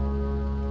tete aku mau